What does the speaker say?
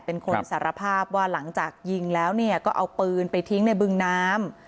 เป็นคนสารภาพว่าหลังจากยิงแล้วเนี่ยก็เอาปืนไปทิ้งในบึงน้ำ